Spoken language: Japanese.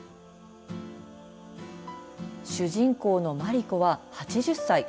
主人公のまり子は８０歳。